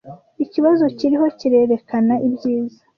Ikibazo kiriho kirerekana ibyiza